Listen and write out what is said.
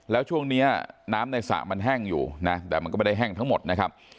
แล้วช่วงนี้น้ำในสระมันแห้งอยู่นะแต่มันก็ไม่ได้แห้งทั้งหมดนะครับ